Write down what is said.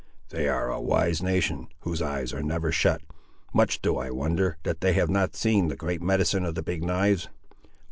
"They are a wise nation, whose eyes are never shut; much do I wonder, that they have not seen the great medicine of the Big knives!"